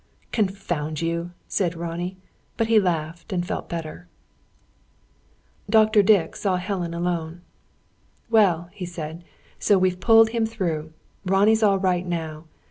"Confound you!" said Ronnie. But he laughed, and felt better. Dr. Dick saw Helen alone. "Well," he said, "so we've pulled him through. Ronnie's all right now.